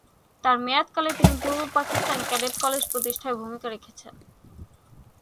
তার মেয়াদকালে তিনি পূর্ব পাকিস্তানে ক্যাডেট কলেজ প্রতিষ্ঠায় ভূমিকা রেখেছেন।